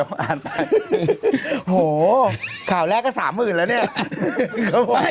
โหข่าวแรกก็๓หมื่นแล้วเนี่ย